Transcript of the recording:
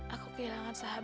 aku kehilangan sahabatmu